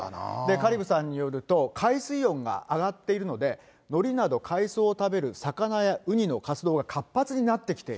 香里武さんによると、海水温が上がっているので、のりなど、海藻を食べる魚やウニの活動が活発になってきている。